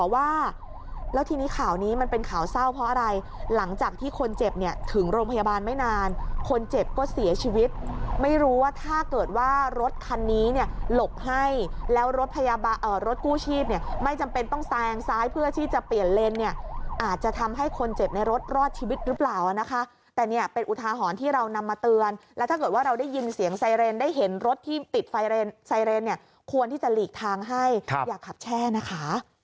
ถ้าเกิดว่ารถคันนี้เนี่ยหลบให้แล้วรถพยาบาลรถกู้ชีพเนี่ยไม่จำเป็นต้องแซงซ้ายเพื่อที่จะเปลี่ยนเลนเนี่ยอาจจะทำให้คนเจ็บในรถรอดชีวิตรึเปล่านะคะแต่เนี่ยเป็นอุทาหอนที่เรานำมาเตือนแล้วถ้าเกิดว่าเราได้ยินเสียงไซเรนได้เห็นรถที่ติดไฟเรนไซเรนเนี่ยควรที่จะหลีกทางให้ครับอย่าขับแช่นะคะ